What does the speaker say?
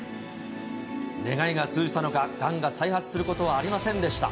願いが通じたのか、がんが再発することはありませんでした。